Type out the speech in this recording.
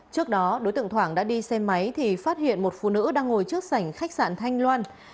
trước đó đối tượng thoảng đã đi xe máy thì phát hiện một phụ nữ đang ngồi trước sảnh khách sạn thanh loan